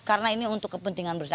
karena ini untuk kepentingan bersama